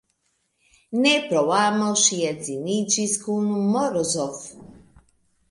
Ne pro amo ŝi edziniĝis kun Morozov.